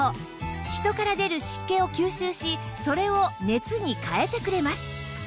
人から出る湿気を吸収しそれを熱に変えてくれます